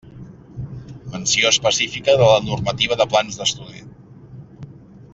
Menció específica de la normativa de plans d'estudi.